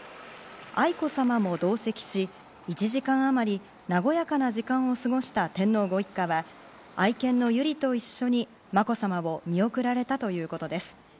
愛子さまも同席し、１時間あまり和やかな時間を過ごした天皇ご一家は、愛犬の由莉と一緒にまこさまを見送られたということです。